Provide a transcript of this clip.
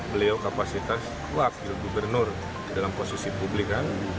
beliau kapasitas wakil gubernur dalam posisi publik